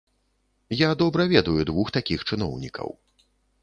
Я добра ведаю двух такіх чыноўнікаў.